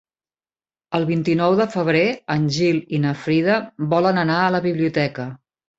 El vint-i-nou de febrer en Gil i na Frida volen anar a la biblioteca.